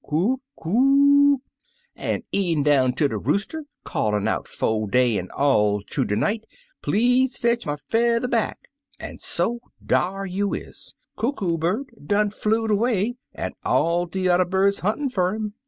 Coo Coo oo !' an' e'en down ter de rooster callin' out 'fo' day, an' all thoo de night, 'Please fetch my feather back!' An' so dar you is ! Coo Coo Bird done flew'd away, an' all de yuther birds huntin' fer 'er.